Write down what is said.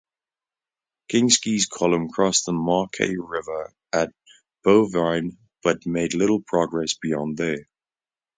Kinsky's column crossed the Marque River at Bouvines but made little progress beyond there.